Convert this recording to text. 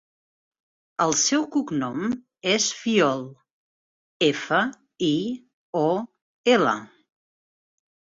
El seu cognom és Fiol: efa, i, o, ela.